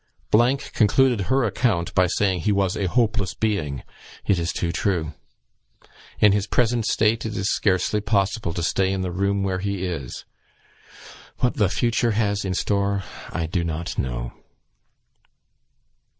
concluded her account by saying he was a 'hopeless being;' it is too true. In his present state it is scarcely possible to stay in the room where he is. What the future has in store I do not know."